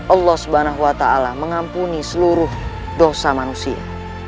allah s w t mengampuni seluruh dosa manusia